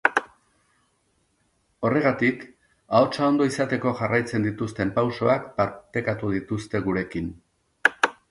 Horregatik, ahotsa ondo izateko jarraitzen dituzten pausoak partekatu dituzte gurekin.